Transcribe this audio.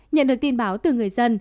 nhận được tin báo từ người dân